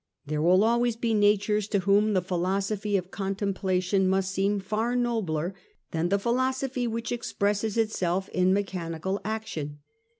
There will always be natures to which the philosophy of contemplation must seem far nobler than the philosophy which expresses itself in mechanical action.